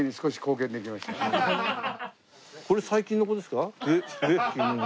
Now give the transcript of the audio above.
これ最近の子ですか？